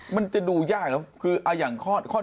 มันจะดูยากแล้วคืออย่างข้อ